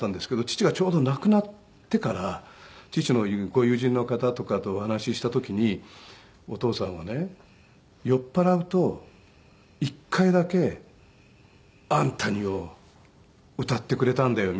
父がちょうど亡くなってから父のご友人の方とかとお話しした時に「お父さんはね酔っ払うと一回だけ“あんたに”を歌ってくれたんだよ